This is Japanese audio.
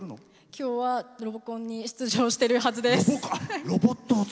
今日はロボコンに出場してるはずです。